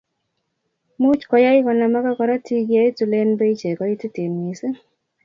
much koyai konamaka korotik ye itulen bei che kaititen mising